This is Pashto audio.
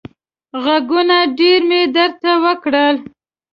غږونه ډېر مې درته وکړل.